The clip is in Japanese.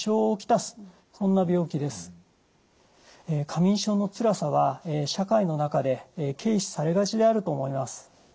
過眠症のつらさは社会の中で軽視されがちであると思います。